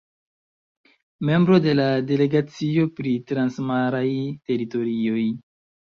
Membro de la delegacio pri transmaraj teritorioj.